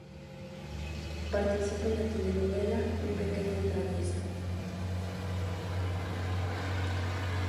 Participa en la telenovela "Mi pequeña traviesa.